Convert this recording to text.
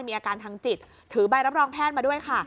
มีอาการทางจิตถือใบรับรองแพทย์มาด้วยค่ะ